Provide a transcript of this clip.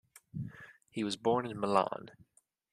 He was born in Milan.